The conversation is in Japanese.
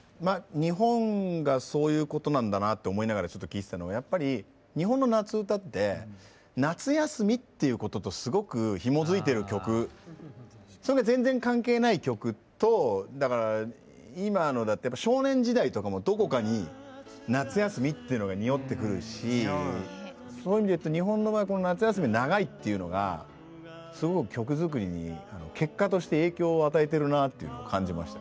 日本がそういうことなんだなって思いながらちょっと聴いてたのがやっぱり日本の夏うたってそれが全然関係ない曲と今の「少年時代」とかもどこかに夏休みっていうのがにおってくるしそういう意味で言うと日本の場合夏休み長いっていうのがすごく曲作りに結果として影響を与えてるなというのを感じました。